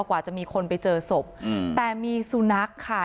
กว่าจะมีคนไปเจอศพแต่มีสุนัขค่ะ